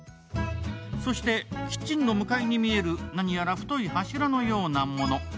そして、キッチンの向かいに見える何やら太い柱のようなもの。